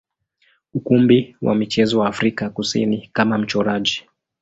ukumbi wa michezo wa Afrika Kusini kama mchoraji.